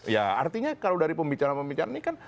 ya artinya kalau dari pembicaraan pembicaraan ini kan